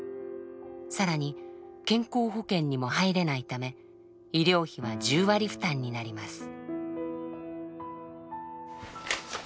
更に健康保険にも入れないため医療費は１０割負担になります。